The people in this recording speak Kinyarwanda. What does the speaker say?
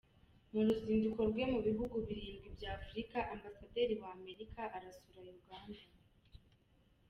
Mu ruzinduko rwe mu bihugu birindwi by’Afurika, Ambasaderi wa America arasura Uganda